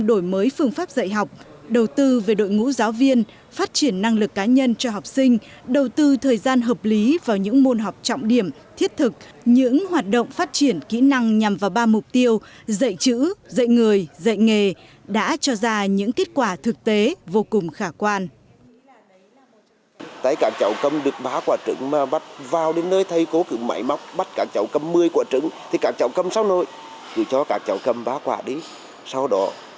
dạy người dạy nghề đã cho ra những kết quả thực tế vô cùng khả quan